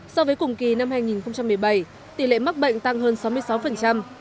so với cùng kỳ năm hai nghìn một mươi bảy tỷ lệ mắc bệnh tăng hơn sáu mươi sáu